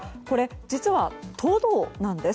実は、トドなんです。